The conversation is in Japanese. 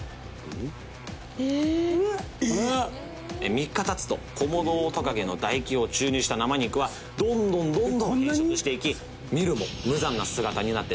「３日経つとコモドオオトカゲの唾液を注入した生肉はどんどんどんどん変色していき見るも無惨な姿になってしまうと」